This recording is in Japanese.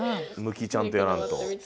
向きちゃんとやらんと。